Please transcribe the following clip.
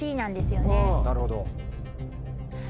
なるほど。